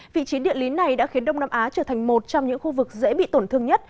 vị trí địa lý này đã khiến đông nam á trở thành một trong những khu vực dễ bị tổn thương nhất